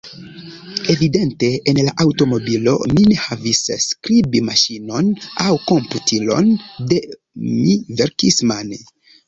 Evidente en la aŭtomobilo mi ne havis skribmaŝinon aŭ komputilon, do mi verkis mane.